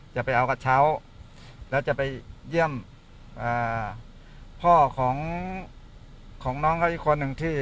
จะเอากระเช้าแล้วจะไปเยี่ยมพ่อของน้องเขาอีกคนหนึ่งที่